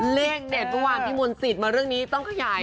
เลขเด็ดประวัติพี่มนต์สิตมาเรื่องนี้ต้องขยายนี้